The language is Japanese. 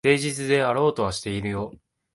誠実であろうとはしてるよ。